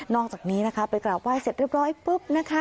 อกจากนี้นะคะไปกราบไหว้เสร็จเรียบร้อยปุ๊บนะคะ